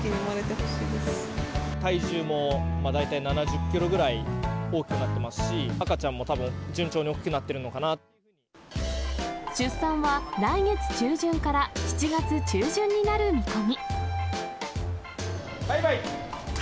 体重も大体７０キロぐらい大きくなってますし、赤ちゃんもたぶん、出産は来月中旬から７月中旬バイバイ。